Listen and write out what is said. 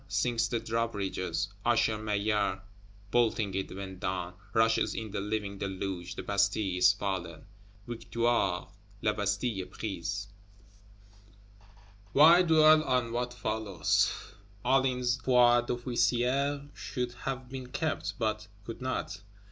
Sinks the drawbridge, Usher Maillard bolting it when down; rushes in the living deluge; the Bastille is fallen! Victoire! La Bastille est prise! Why dwell on what follows? Hulin's foi d'officier should have been kept, but could not.